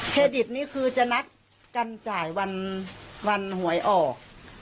เครดิตนี่คือจะนัดกันจ่ายวันหวยออก